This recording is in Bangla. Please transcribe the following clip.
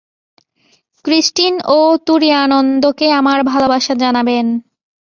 ক্রিষ্টিন ও তুরীয়ানন্দকে আমার ভালবাসা জানাবেন।